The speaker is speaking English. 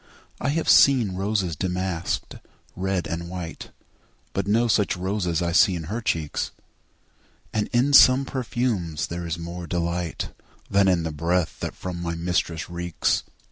I have seen roses damask'd, red and white, But no such roses see I in her cheeks; And in some perfumes is there more delight Than in the breath that from my mistress reeks.